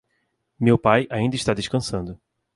Meu pai ainda está descansando.